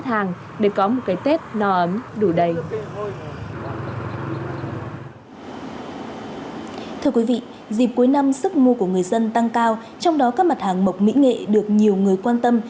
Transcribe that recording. thì cuối năm sức mua của người dân tăng cao trong đó các mặt hàng mộc mỹ nghệ được nhiều người quan tâm